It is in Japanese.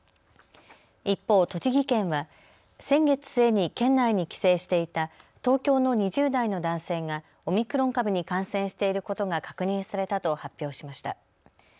一方、栃木県は先月末に県内に帰省していた東京の２０代の男性がオミクロン株に感染していることが確認されたと発表しました。